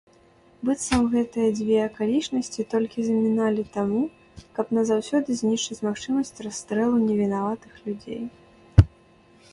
Быццам гэтыя дзве акалічнасці толькі заміналі таму, каб назаўсёды знішчыць магчымасць расстрэлу невінаватых людзей.